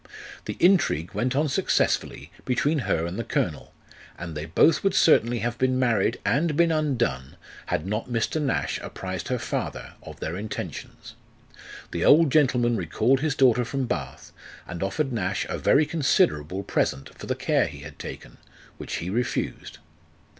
The intrigue went on successfully between her and the colonel, and they both would certainly have been married and been undone, had not Mr. Nash apprised her father of their intentions. The old gentleman recalled his daughter from Bath, and offered Nash a very considerable present for the care he had taken, which he refused.